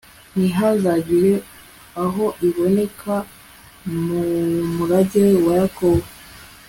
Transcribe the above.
ntihazagire aho iboneka mu murage wa yakobo